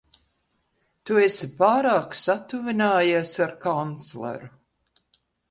Tu esi pārāk satuvinājies ar kancleru.